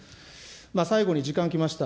最後に時間来ました。